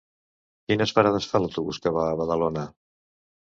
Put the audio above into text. Quines parades fa l'autobús que va a Badalona?